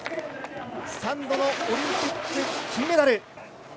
３度のオリンピック金メダル。